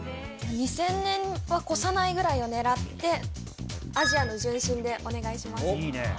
２０００年は越さないぐらいを狙って「アジアの純真」でお願いします